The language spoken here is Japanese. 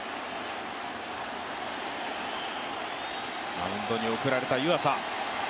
マウンドに送られた湯浅。